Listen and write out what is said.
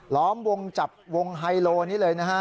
ล้อมวงจับวงไฮโลนี้เลยนะฮะ